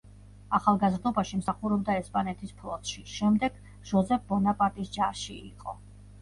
ახალგაზრდობაში მსახურობდა ესპანეთის ფლოტში, შემდეგ ჟოზეფ ბონაპარტის ჯარში იყო.